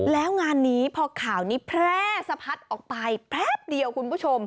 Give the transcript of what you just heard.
แล้วงานนี้พอข่าวนี้แพร่สะพัดออกไปแป๊บเดียวคุณผู้ชม